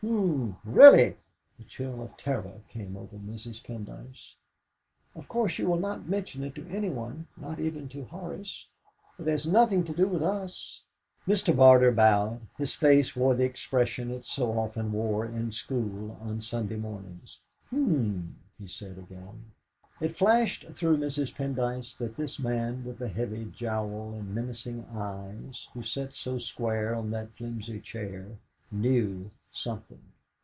H'm! Really!" A chill of terror came over Mrs. Pendyce. "Of course you will not mention it to anyone, not even to Horace. It has nothing to do with us." Mr. Barter bowed; his face wore the expression it so often wore in school on Sunday mornings. "H'm!" he said again. It flashed through Mrs. Pendyce that this man with the heavy jowl and menacing eyes, who sat so square on that flimsy chair, knew something.